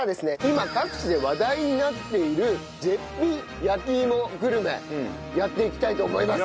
今各地で話題になっている絶品焼き芋グルメやっていきたいと思います。